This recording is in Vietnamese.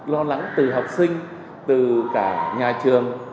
lo lắng từ học sinh từ cả nhà trường